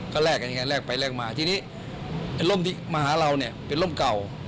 ก็แลกกันยังไงแลกไปแลกมาทีนี้ไอ้ร่มที่มาหาเราเนี่ยเป็นร่มเก่า